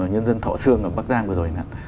nhân dân thọ sương ở bắc giang vừa rồi